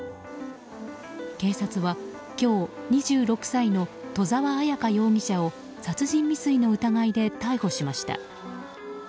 警察は今日２６歳の戸沢彩香容疑者を殺人未遂の疑いで逮捕しました。